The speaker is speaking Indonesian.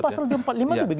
prosesnya juga lambat